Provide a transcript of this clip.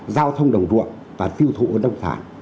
giao thông đồng ruộng và tiêu thụ nông sản